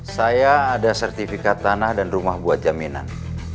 saya ada sertifikat tanah dan rumah buat jaminan